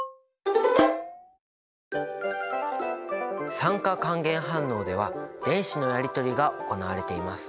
酸化還元反応では電子のやりとりが行われています。